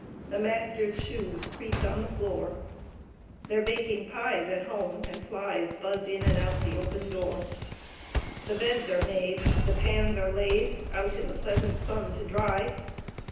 The Masters shoes creak on th^ Floor . They're baking/Vej At Home^ and Flies q^ Buzz in and out the open Door. The Beds are made ; The Pans are laid Out in the pleasant Sun to dry